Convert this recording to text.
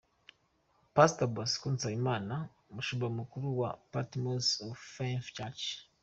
Pastor Bosco Nsabimana umushumba mukuru wa Patmos of Faith church.